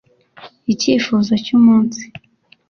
icyifuzo cyumunsi